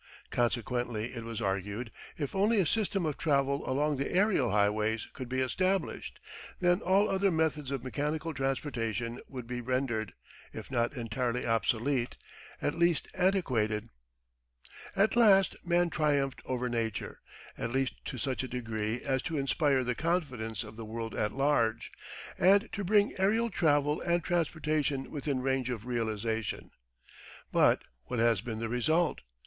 Consequently it was argued, if only a system of travel along the aerial highways could be established, then all other methods of mechanical transportation would be rendered, if not entirely obsolete, at least antiquated. At last man triumphed over Nature at least to such a degree as to inspire the confidence of the world at large, and to bring aerial travel and transportation within range of realisation. But what has been the result?